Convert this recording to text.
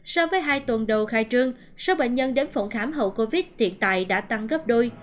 so với hai tuần đầu khai trương số bệnh nhân đến phòng khám hậu covid hiện tại đã tăng gấp đôi